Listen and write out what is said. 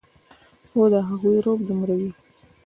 خو د هغو رعب دومره وي